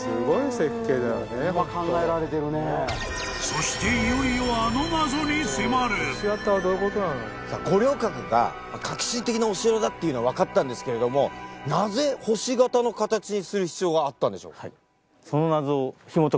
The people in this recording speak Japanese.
［そしていよいよあの謎に迫る］っていうのは分かったんですけれどもなぜ星形の形にする必要があったんでしょう？